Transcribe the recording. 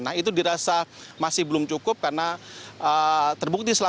nah itu dirasa masih belum cukup karena terbukti